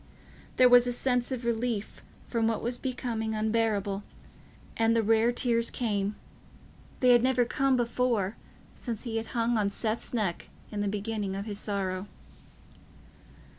There was a sense of relief from what was becoming unbearable, and the rare tears came—they had never come before, since he had hung on Seth's neck in the beginning of his sorrow.